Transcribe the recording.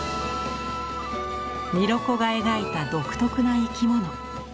ミロコが描いた独特な「いきもの」。